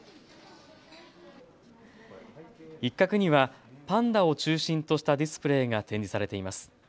一角にはパンダを中心としたディスプレーが展示されています。